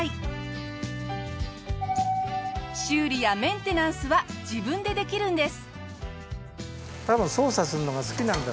修理やメンテナンスは自分でできるんです。